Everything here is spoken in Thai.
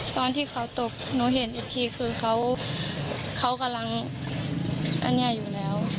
ตอนที่เขาตกหนูเห็นอีกทีคือเขากำลังอันนี้อยู่แล้ว